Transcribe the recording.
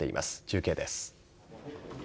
中継です。